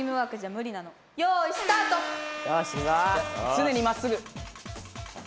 つねにまっすぐ。